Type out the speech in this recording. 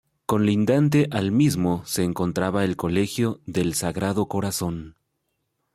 Colindante al mismo se encontraba el Colegio del Sagrado Corazón.